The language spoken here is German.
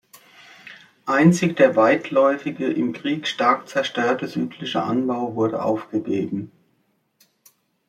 Einzig der weitläufige, im Krieg stark zerstörte südliche Anbau wurde aufgegeben.